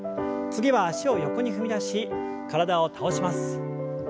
次は脚を横に踏み出し体を倒します。